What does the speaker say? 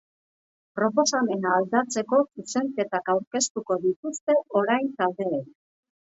Proposamena aldatzeko zuzenketak aurkeztuko dituzte orain taldeek.